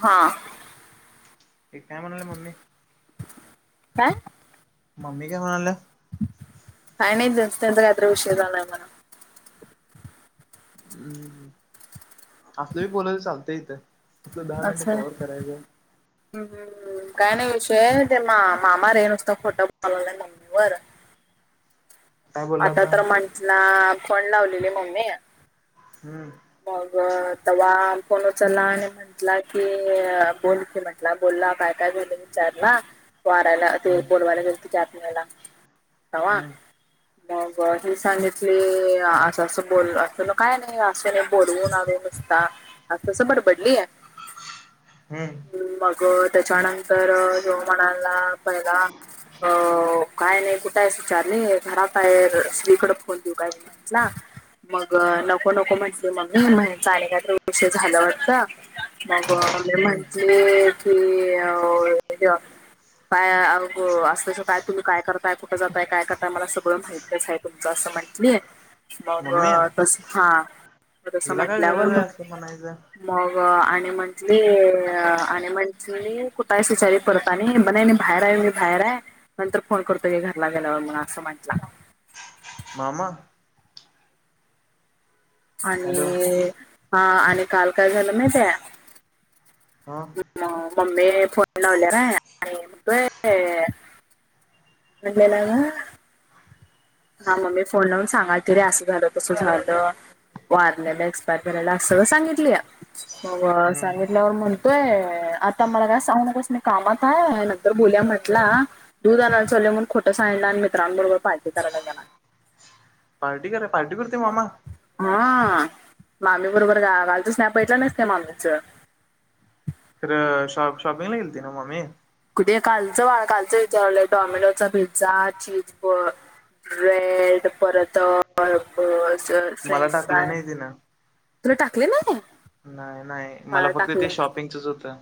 हा ते काय म्हणाल्या मम्मी काय मम्मी काय म्हणाल्या काय नाही जेंचा तेंचा विषय झालय जरा हम्म असलं बी बोलाय चालतंय इथं आपलं दहा मिनटं कवर्ह करायचं ह, ह, ह काय नाही विषय ते मा मामा र आहे नुसतं खोटं बोलालय मम्मी वर काय बोलला आता होता? तर म्हटला फोन लावलेली मम्मी हम मग तवा फोन उचलला आणि म्हटला की अ बोल की म्हंटला बोलला काय, काय झालं विचारला वारायला ते हम्म बोलवायला गेलतो त्याच वेळेला तवा मग ही सांगितली अ असं, असं बोल अस काय नाही बोलवून नुसता अस तसं बडबडली ह मग अ त्याच्यानंतर ह्यो म्हणाला पहिला अ काय नाही कुठायस आहे विचारली घरातय श्री फोन देऊ काय ला मग नको नको म्हण मम्मी म हेंचा आणि कायतर विषय झालं वाटत मग अ मी हम्म म्हटली की अ हे काय अ असल्याच काय तुम्ही काय करताय कुठ जाताय काय करताय मला सगळं माहितच आहे तुमचं असं म्हटलीय मग मम्मी तस हा असं तस हिला काय म्हंटल्यावर गरज म आहे असलं म्हणायचं? मग आणि म्हणटली अ आणि म्हणटली कुठायस विचारली परत आणि नाई, नाई बाहेर आहे मी बाहेर आहे नंतर फोन करतो घरला गेल्यावर म्हणू असं म्हंटला मामा हॅलो आणि हा आणि काल काय झालं माहितीय हा मग मम्मी फोन लावल्या नाई आणि म्हणतोय म्हटलेला हा ममी फोन लावून सांगाल की रे असं झालं कसं झालं वारलेला एक्सपायर झालेला असं तर सांगितली आहे हो हम्म सांगितल्यावर म्हणतोय आता मला काय सांग न कस म कामात आहे तर बोलूया म्हटला दूध आणाय चाललो म्हूनन खोटं सांगीतला आणि मित्रांबरोबर पार्टी करायला गेला पार्टी केला पार्टी करते मामा हा मामी बरोबर गेला नाहीपटलं नाहीस का मा्मीचं खरं शॉप शॉपिंगला गेलती नव्ह मामी कुठे कालचं कालच विचारलंय Domino's pizza cheese bread परत मला फ्रेंच टाकली प्राईज नाही तिनं. तुला टाकले नव्ह ते नाही, नाही मला फक्त ते शॉपिंगचच होतं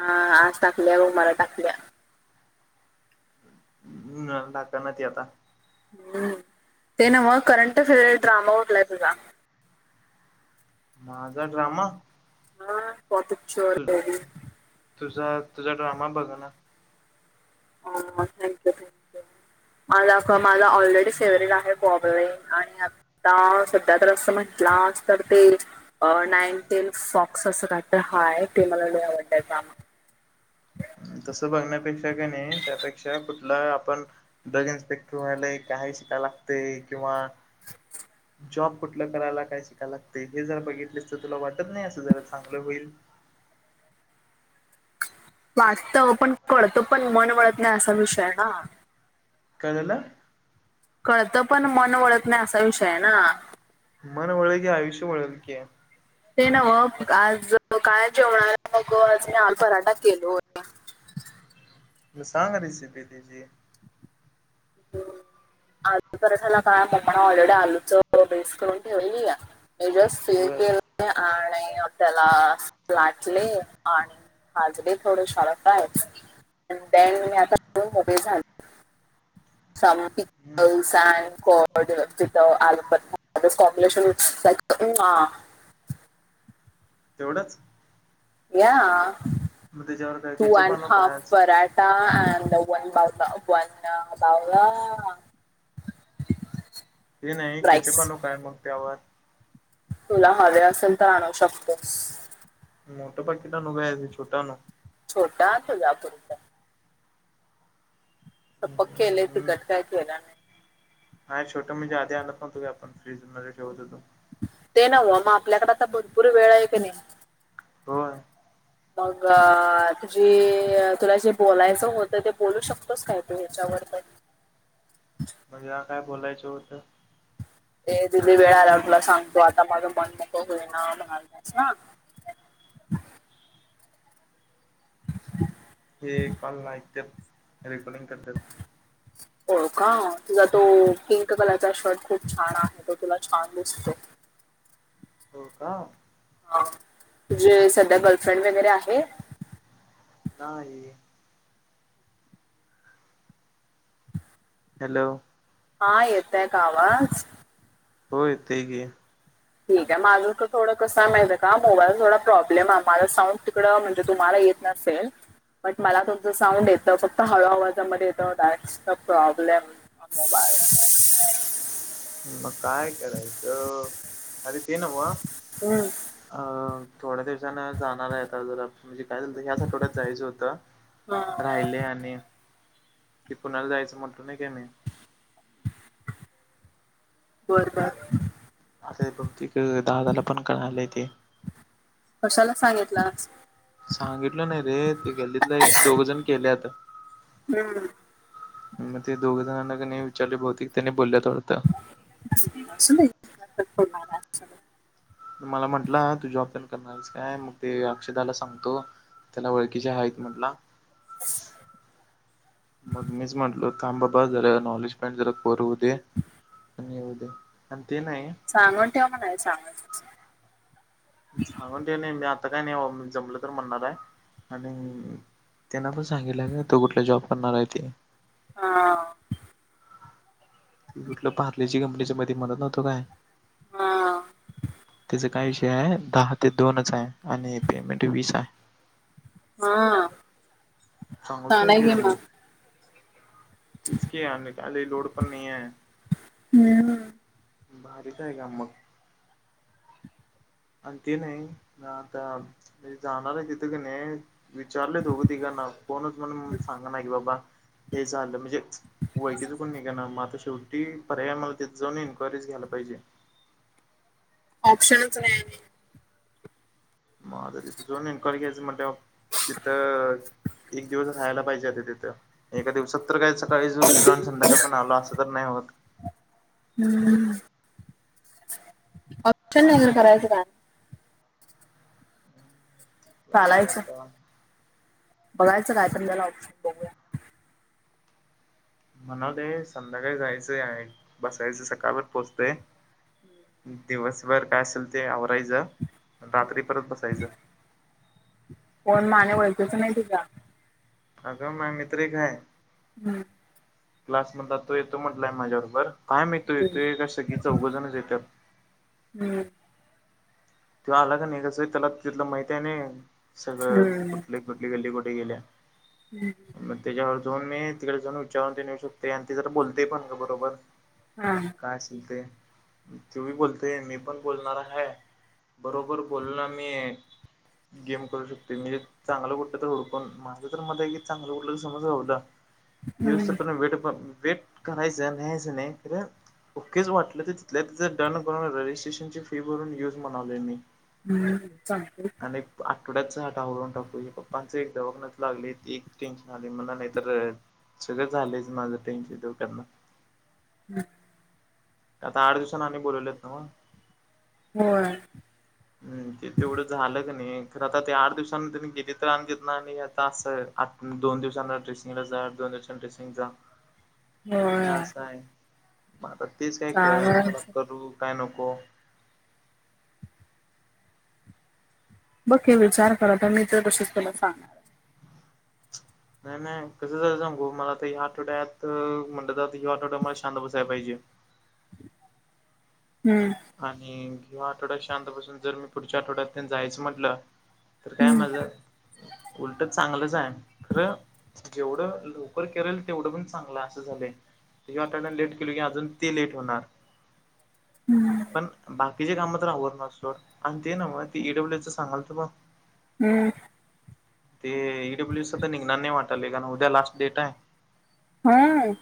हा आज टाकल्या बग मला टाकल्या ह टाकान ती आता ते ना मग करंट फेअर ड्रामा उठलाय तुझा माझा ड्रामा तू मग तुझा, तुझा ड्रामा बघनास. थँक्यू, थँक्यू मला माझा ऑलरेडी फेवरेट आहे. आणि आता सध्या तर अस म्हटलास तर ते अ नाईन टेन स्वाक्स असं काय तर हाय ते मला लई आवडतय त्या मुळं तसं बघण्यापेक्षा कनी त्यापेक्षा कुठला आपण ड्रग इन्स्पेक्टर व्हायलय काय शिकायला लागतय किंवा जॉब कुठलं करायला काय शिकायला लागतय हे जर बघितलीस तर तुला वाटत नाही असं जरा चांगलं होईल वाटत ओ पण कळत पण मन वळत नाही असा विषय आहे ना काय झालं? कळतं पण मन वळत नाही असा विषय आहे ना. मन वळल की आयुष्य वळल की ते नव्ह आज काय जेवणाला मग आज मी आलू पराठा केलोय मग सांग रेसिपी तेजी? आलू पराठाला काय पपांनी ऑलरेडी आलूच बेस करून ठेवलेली. म जस्ट फील बर केले आणि त्याला लाटले आणि आज बि थोड शाळेत हाय ते मी आता मोकळी झाले हम्म [inaudible] [inaudible] तेवढंच या मग त्याच्यावर काय टू केचप अँड आणू काय हाफ आज पराठा अ वन बावला, वन बावला ते नाही किती राईस पण लोक हाय मग त्यावर तुला हवे असेल तर आणू शकतोस. मोठ पाकीट आणू काय छोटं आणू? छोट आण तुज्यापुरतं सपक केलय आणू तिकट काय केला नाय. हा छोटं म्हणजे आधी आणत नव्हतो काय आपण फ्रीज मध्ये ठेवत होतो. ते नव्ह मग आपल्याकड आता भरपूर वेळ हाय कणी. होय मग तुझी तुला जे बोलायचं होतं ते बोलू शकतोस काय तू ह्याच्यावर पण. म्हंजे आता बोलायचं होतं हे किती वेळा आला तुला सांगतो आता माझं मन मोकळं होई ना म्हणालतास नव्ह [inaudible] ते कॉल ऐकत्यात रेकॉर्डींग करत्यात हो का तुझा तो पी कलर चा शर्ट खूप छान आहे, तो तुला छान दिसतो. हो का? हा, तुझी सध्या गर्लफ्रेंड वगैरे आहे? नाही. हॅलो. हां येतंय का आवाज? हो येतोय की. ठीक हाय माझं तर थोडं कसं हाय माहीत का मोबाईल थोडा प्रॉब्लेम माझ साऊंड कड, म्हणजे तुम्हाला येत नसेल, पण मला तुमचं साऊंड येतं फक्त हळू आवाजामध्ये येतात दॅट्स द प्रॉब्लेम, मोबाईल मग काय करायचं, अरे ते नव्ह हम्म. अ थोड्या दिवसांन जाणार आहे आता जरा म्हणजे काय झालंत ह्याच आठवड्यात जायचं होतं मोबाईल राहिले आणि ते पुण्याला जायचं म्हटलो नाही काय मी वर्गात. आता बहूतेक दादाला पण कळालेय ते. कशाला सांगितलास सांगितलं नाही रे ते गल्लीतलं एक, दोघ जणं गेलयेत. हम्म. मग ते दोघ जणांना का नाही विचारले त्यांनी बोलल्यात होतं. असुुदे, असुदे [unintelligible] मला म्हंटला तू जॉब पण करणार आहेस काय मग ते अक्षदाला सांगतो त्याला ओळखीच्या हायेत म्हंटला. मग मीच म्हटलो थांबाबा जरा नॉलेजमेंट जरा करूंदे. होऊदे पण ते नाही सांगून ठेव म्हना सांगून झाऊदे नाही मी आता काय नाही, जमलं तर म्हणणार आहे. आणि त्यांना पण सांगितलं का तु कुठला जॉब करणार आहे ते? हा. कुठलं पारलेजी कंपनीच मध्ये म्हणत नव्हतो काय? हां. ते काय विषय आहे दहा ते दोनच आहे आणि पेमेंट वीस आहे. हा, चांगलंच आहे सांगाय की घे रे मग. तेच की आणि काली लोड पण नाहीय. हम्म. भारीच आहे काम मग. अन ते नाही आता म्हणे जाणार आहे तिथ का नाही विचारलय दोघं तिघांना कोणच म्हण सांगाना की बाबा हे झालं म्हंजेच वयकीच कोण निघना म आता शेव की पर्याय म तिथ जाऊन इन्क्वायरीज घ्याला पाहिजे. ऑप्शनच नाही. मग आता तिथं जाऊन इन्क्वायरी घ्यायचं म्हटल्यावर तिथं एक दिवस राहायला पाहिजे आता तिथं एका दिवसात तर कायच दुपारी जो गेलो आणि संध्याकाळी पण आल असं तर नाही होत. हम्म. ऑप्शन नाही करायचं काय? जाऊदे चालायचं आता. बघायचं काय आपण त्याला ऑप्शन बघू म्हणाले संध्याकाळी जायचंय आहे, बसायचं सकाळ परत पोहचते. दिवसभर काय असेल ते आवरायचं रात्री परत बसायचं. कोण माने ओळखीच नाही तुझ्या? अगं माय मित्र एक हाय. हम्म. क्लासमधला तो येतो म्हटलाय माझ्या बरोबर काय माहीत तो येतोय का सगी चौघजणच येतात. हम्म. त्यो आला का नाही कसं त्याला तिथलं माहित आहे ना सगळं हम्म कुठली, कुठली गल्ली कुठे गेल्या. हम्म. मग त्याच्यावर जाऊन मी तिकडे जाऊन उच्चारून दे येऊ शकते आणि त ते जर बोलते पण ग बरोबर. हा. काय असेल ते तुही बी बोलतोय मी पण बोलणारा हाय. बरोबर बोल ना मी गेम करू शकते चांगलं कुलं तर हुडकून माझं तर मध्ये क चांगलं उरल तर समज युस्तोपर्यंत वेट, वेट करायचं न्हायच नाही खरं ओकेच वाटलं तर तिथल्या तिथे डन करून रजिस्ट्रेशन ची फी भरून युज म्हनायलोय मी. हम्म चालतय की ऐक आठवड्याचा टाहळून टाकू हे पप्पांचे एक दवाखान्यात लागले ते एक टेन्शन आली मला नाही तर सगळं झालंयच माझं तिन शेदोकांना हम् आता आठ दिवसां आणी बोलवलेत न्हव. होय. हम् ते तेवढं झालं क नाही खरं आता ते आठ दिवसांनी त्यां गेली तर आणेत ना आता असं आ दोन दिवसांना ड्रेसिंगला जा दोन दिवसां ड्रेसिंग जा. हे होय आसाय. आता तेच काही कळ ना चालेल मला करू काय नको. बघे विचार करा तर मी तर कशीच तुला सांगा. नाही नाही कसं जायचांगू मला तर ह आठवड्यात म्हटलं तर ह आठवड्या मला शांत बसायला पाहिजे. हम्म आणि ह्या आठवड्यात शांतपासून जर मी पुढच्या आठवड्यात जायचं म्हटलं. तर काय माझ उलट चांगलंच आहे खरं जेवढं लवकर करेल तेवढं पण चांगलं असं झालंय. तट लेट केलली की अजून ते लेट होणार. पण बाकीचे काम तर आव न असतो आणि ते ना म त ई डब्ल्यू च सांगाल तर ब हम्म ते ई डब्ल्यू स तर निघनार नाही वाटायल कारण उद्या लास्ट डेट आहे. हम्म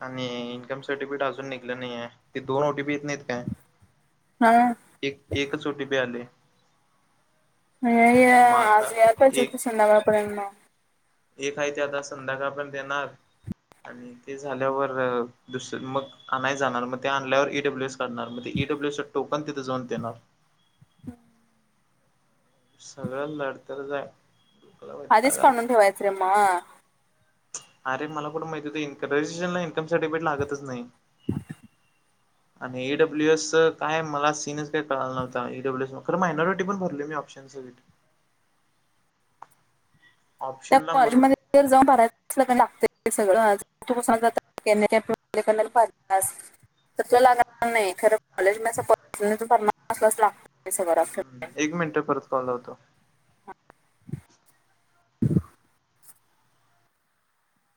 आणि इन्कम सर्टिफिकेट अजून निघलं नाही आहे ते दोन ओ टी पी येत नाहीत काय. हा एक एक च ओ टी पी आलय. होय आज आता यायल पाहिजे एक होतं संध्याकाळ पर्यंत एक आहे ते आता संध्याकाळ पण देणार. आणि ते झाल्यावर दुसरं मग आणाय जाणार मग ते आणल्यावर ईडब्ल्यू एस चढणार मज ईडब्ल्यू चा टोकन तिथे जाऊन देणार सगळं लढत जाई. आधीच सांगून ठिवायच रे मग. अरे मला कुठ माहिती इनकम रजिष्टर इनकम सर्टिफिकेट लागतच नाही. ऊ हु ह आणि डब्ल्यूस च काय मला सीनच काय कळाला नव्हता डबल्यूस खर म मायनॉिटी पण भरली मी ऑ्शन सनसोलिटि त्या ऑप्शनला म्हणून कॉलेजमध्येध्ये जाऊन भरायलं लागत ते सगळंच सजले करणारस [unintelligible] तस लागणार नाही खरं कॉलेज म भरणारच लाग एक मिनिट परत कॉल लावतो ठबुश